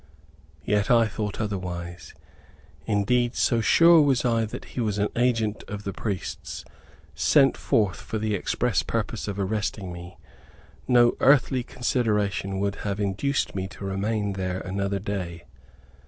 Yet I thought otherwise. Indeed, so sure was I that he was an agent of the priests, sent forth for the express purpose of arresting me, no earthly consideration would have induced me to remain there another day.